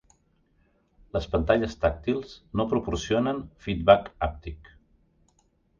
Les pantalles tàctils no proporcionen feedback hàptic.